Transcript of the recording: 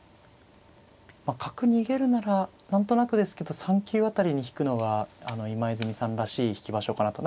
角逃げるなら何となくですけど３九辺りに引くのが今泉さんらしい引き場所かなと。